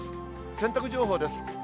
洗濯情報です。